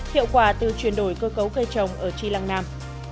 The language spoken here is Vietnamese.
hiệu quả từ chuyển đổi cơ cấu cây trồng ở tri lăng nam